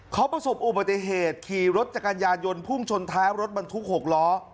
เขาประสบอุบัติเหตุขี่รถจักรยานยนต์พุ่งชนท้ายรถบรรทุก๖ล้อ